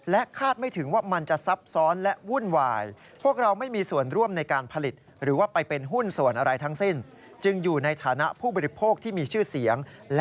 และคาดไม่ถึงว่ามันจะซับซ้อนและวุ่นวาย